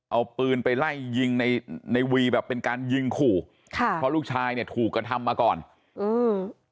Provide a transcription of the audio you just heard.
เอาปืนไปไล่ยิงในในวีแบบเป็นการยิงขู่ค่ะเพราะลูกชายเนี่ยถูกกระทำมาก่อนอืม